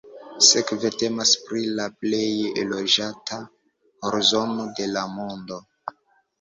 Sekve temas pri la plej loĝata horzono de la mondo.